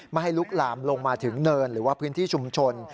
ไม่ให้ลุกลามลงมาถึงเนินหรือว่าพื้นที่ชุมชน